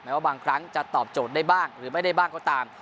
ว่าบางครั้งจะตอบโจทย์ได้บ้างหรือไม่ได้บ้างก็ตาม